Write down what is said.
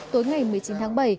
tối ngày một mươi chín tháng bảy